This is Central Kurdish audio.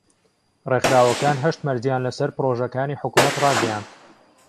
ڕێکخراوەکان هەشت مەرجیان لەسەر پڕۆژەکانی حکومەت ڕاگەیاند: